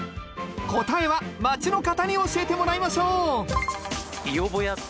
答えは町の方に教えてもらいましょう！